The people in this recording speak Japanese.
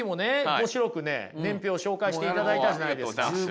面白くね年表を紹介していただいたじゃないですか。